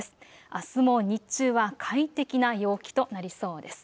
あすも日中は快適な陽気となりそうです。